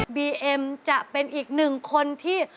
บีเอ็มจะเป็นอีกหนึ่งคนที่